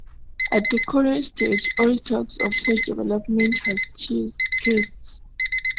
At the current stage, all talk of such development has ceased.